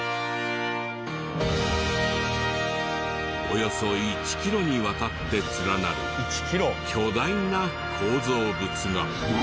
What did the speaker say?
およそ１キロにわたって連なる巨大な構造物が。